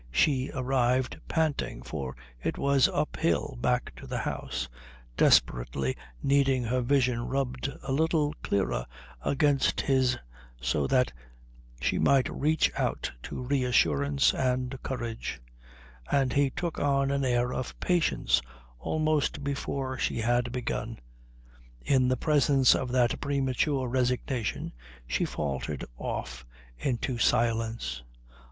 She arrived panting, for it was uphill back to the house, desperately needing her vision rubbed a little clearer against his so that she might reach out to reassurance and courage, and he took on an air of patience almost before she had begun. In the presence of that premature resignation she faltered off into silence.